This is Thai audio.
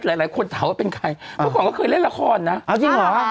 หลายคนถามว่าเป็นใครเมื่อก่อนก็เคยเล่นละครนะเอาจริงเหรอ